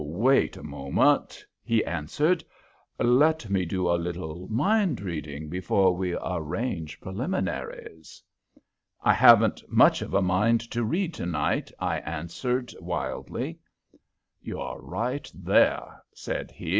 "Wait a moment," he answered. "Let me do a little mind reading before we arrange preliminaries." "I haven't much of a mind to read tonight," I answered, wildly. "You're right there," said he.